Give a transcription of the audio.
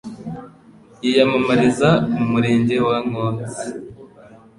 yiyamamariza mu Murenge wa Nkotsi